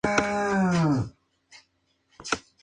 Actualmente estaba desocupado.